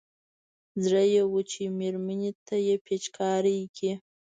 زړه يې و چې مېرمنې ته يې پېچکاري کړي.